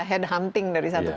head hunting dari satu kata